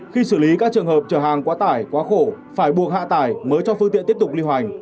khi xử lý các trường hợp trở hàng quá tải quá khổ phải buộc hạ tải mới cho phương tiện tiếp tục lưu hành